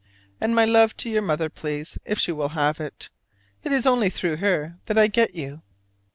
And my love to your mother, please, if she will have it. It is only through her that I get you.